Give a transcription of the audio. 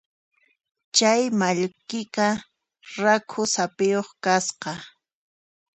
Chay mallkiqa rakhu saphiyuq kasqa.